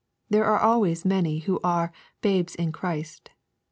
There are always many who are " babes in Christ.'